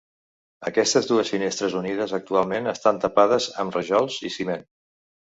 Aquestes dues finestres unides, actualment estan tapades amb rajols i ciment.